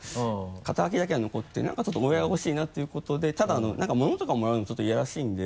肩書だけが残って何かちょっとお祝いが欲しいなっていうことでただ物とかもらうのちょっといやらしいんで。